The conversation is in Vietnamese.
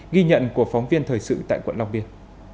ghi nhận của phóng viên thời sự tại quận long biên